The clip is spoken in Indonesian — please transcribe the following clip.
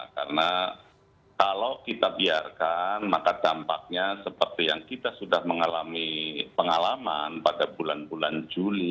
karena kalau kita biarkan maka dampaknya seperti yang kita sudah mengalami pengalaman pada bulan bulan juli